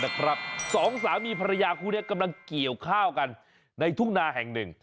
สองสามีภรรยาคู่นี้กำลังเกี่ยวข้าวกันในทุ่งนาแห่งหนึ่ง